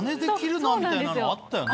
みたいなのあったよね。